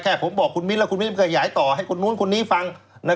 แค่ผมบอกคุณมิ้นแล้วคุณมิ้นเคยขยายต่อให้คนนู้นคนนี้ฟัง